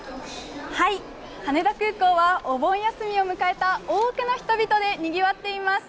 羽田空港はお盆休みを迎えた多くの人々でにぎわっています。